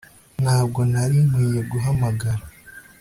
Ntabwo nari nkwiye guhamagara